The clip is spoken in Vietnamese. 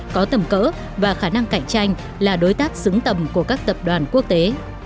có tầm cỡ và khả năng cạnh tranh là đối tác xứng tầm của các tập đoàn quốc tế